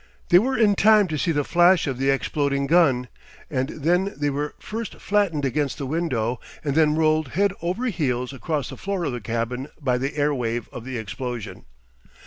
They were in time to see the flash of the exploding gun, and then they were first flattened against the window and then rolled head over heels across the floor of the cabin by the air wave of the explosion.